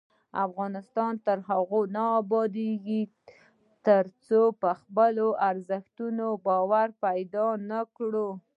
افغانستان تر هغو نه ابادیږي، ترڅو په خپلو ارزښتونو باور پیدا نکړو.